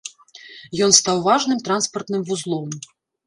Ён стаў важным транспартным вузлом.